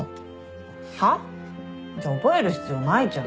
はっ？じゃあ覚える必要ないじゃん。